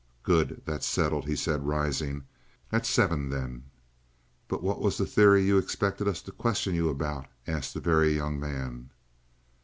"Good. That's settled," he said, rising. "At seven, then." "But what was the theory you expected us to question you about?" asked the Very Young Man.